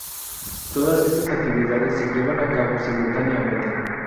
Todas estas actividades se llevan a cabo simultáneamente.